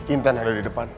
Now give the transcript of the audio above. intan ada di depan